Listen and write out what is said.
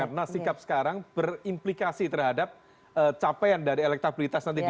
karena sikap sekarang berimplikasi terhadap capaian dari elektabilitas nanti di dua ribu dua puluh empat